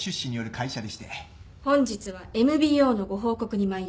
本日はＭＢＯのご報告に参りました。